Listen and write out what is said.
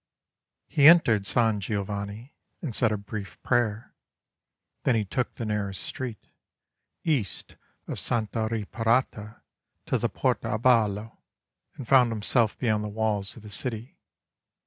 He entered San Giovanni and said a brief prayer; then he took the nearest street, east of Santa Reparata, to the Porta a ballo, and found himself beyond the walls of the city.